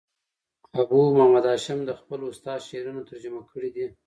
ابو محمد هاشم دخپل استاد شعرونه ترجمه کړي دي.